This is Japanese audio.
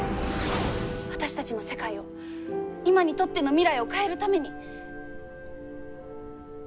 私たちの世界を今にとっての未来を変えるために。